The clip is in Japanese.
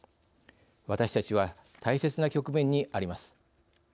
私たちは大切な局面にあります。